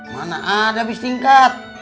mana ada bis tingkat